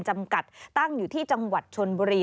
จำกัดตั้งอยู่ที่จังหวัดชนบุรี